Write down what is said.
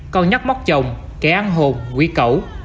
con nhắc móc chồng kẻ ăn hồn quý cẩu